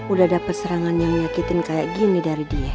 udah dapet serangan yang nyakitin kayak gini dari dia